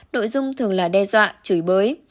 đội dung thường là đe dọa chửi bới